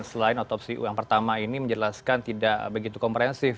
selain otopsi yang pertama ini menjelaskan tidak begitu komprehensif